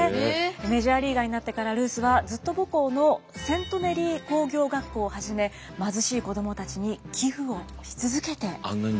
メジャーリーガーになってからルースはずっと母校のセント・メリー工業学校をはじめ貧しい子どもたちに寄附をし続けていました。